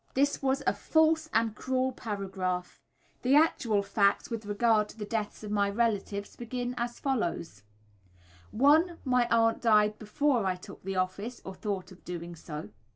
This was a false and cruel paragraph, the actual facts with regard to the deaths of my relatives being as follows: 1. My aunts died before I took the office, or thought of doing so.